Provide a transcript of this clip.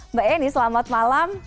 mbak eni selamat malam